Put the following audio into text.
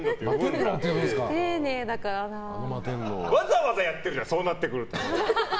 わざわざやってるじゃんそうなってくると。